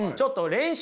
練習？